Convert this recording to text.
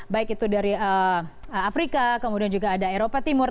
baik itu dari afrika kemudian juga ada eropa timur